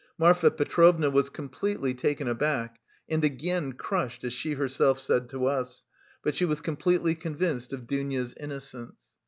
Marfa Petrovna was completely taken aback, and 'again crushed' as she said herself to us, but she was completely convinced of Dounia's innocence.